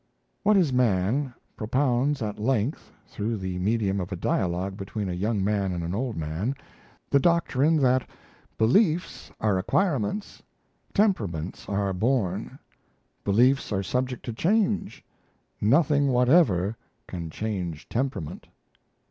'What is Man?' propounds at length, through the medium of a dialogue between a Young Man and an Old Man, the doctrine that "Beliefs are acquirements; temperaments are born. Beliefs are subject to change; nothing whatever can change temperament."